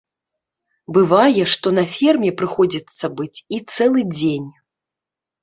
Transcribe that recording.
Бывае, што на ферме прыходзіцца быць і цэлы дзень.